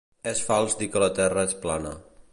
És fals dir que la terra és plana.